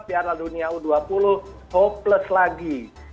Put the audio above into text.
piala dunia u dua puluh hopeless lagi